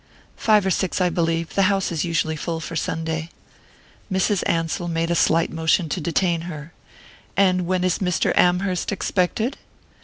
"Five or six, I believe. The house is usually full for Sunday." Mrs. Ansell made a slight motion to detain her. "And when is Mr. Amherst expected?"